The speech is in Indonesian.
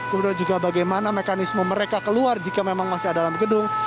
kemudian juga bagaimana mekanisme mereka keluar jika memang masih ada dalam gedung